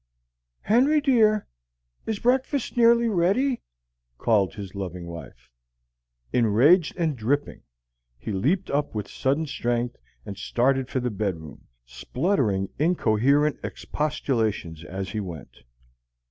"Henry dear, is breakfast nearly ready?" called his loving wife. Enraged and dripping, he leaped up with sudden strength, and started for the bedroom, spluttering incoherent expostulations as he went.